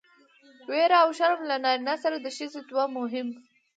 ويره او شرم له نارينه سره د ښځې دوه مهم